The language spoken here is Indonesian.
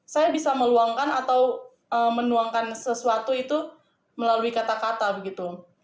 saya bisa meluangkan atau menuangkan sesuatu itu melalui kata kata begitu